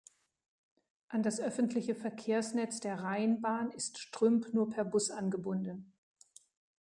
An das öffentliche Verkehrsnetz der Rheinbahn ist Strümp nur per Bus angebunden.